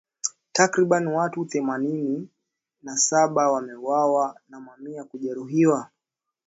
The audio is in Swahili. Takribani watu themanini na saba wameuawa na mamia kujeruhiwa.